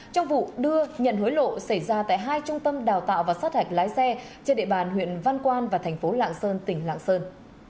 trong vụ đưa nhận hối lộ xảy ra tại hai trung tâm đào tạo và sát hạch lái xe trên địa bàn huyện văn quan và thành phố lạng sơn tỉnh lạng sơn